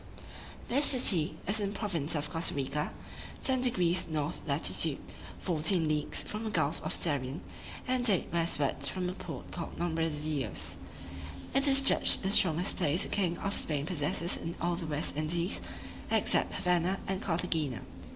This city is in the province of Costa Rica, 10 deg. north latitude, fourteen leagues from the gulf of Darien, and eight westwards from the port called Nombre de Dios. It is judged the strongest place the king of Spain possesses in all the West Indies, except Havanna and Carthagena.